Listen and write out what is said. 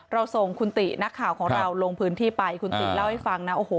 ส่งคุณตินักข่าวของเราลงพื้นที่ไปคุณติเล่าให้ฟังนะโอ้โห